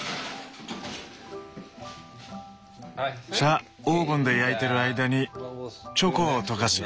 さあオーブンで焼いてる間にチョコを溶かすよ。